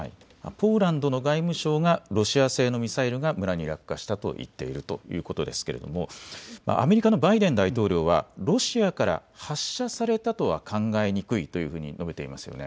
ポーランドの外務省がロシア製のミサイルが村に落下したと言っているということですけれどもアメリカのバイデン大統領はロシアから発射されたとは考えにくいと述べています。